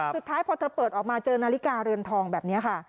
สุดท้ายพอเธอเปิดออกมาเจอนาฬิกาเรือนทองแบบนี้ค่ะ